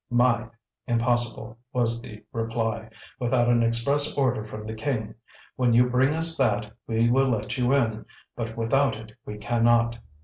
"Myde" (impossible), was the reply, "without an express order from the king. When you bring us that, we will let you in, but without it we cannot."